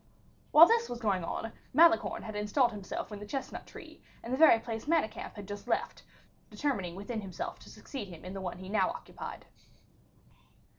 While this was going on, Malicorne had installed himself in the chestnut tree, in the very place Manicamp had just left, determining within himself to succeed him in the one he now occupied.